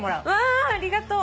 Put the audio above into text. ありがとう。